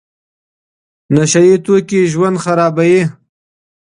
نشه يي توکي ژوند خرابوي.